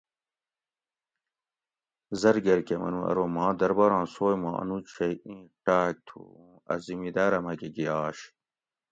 زرگۤر کہ منو ارو ماں درباراں سوئے ما انوج شئی اِیں ٹاۤک تُھو اُوں ا زِمیداۤرہ مکہ گیاش